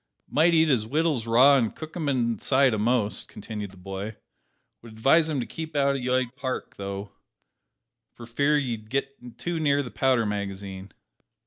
"Might eat his wittles raw an' cook 'em inside a'most!" continued the boy; "would advise him to keep out of 'yde Park, though, for fear he'd git too near the powder magazine!"